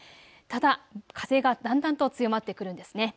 ただ風がだんだんと強まってくるんですね。